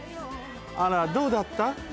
あらどうだった？